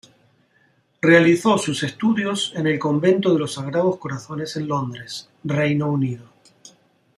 Realizó sus estudios en el Convento de los Sagrados Corazones en Londres, Reino Unido.